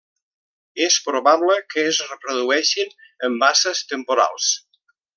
És probable que es reprodueixin en basses temporals.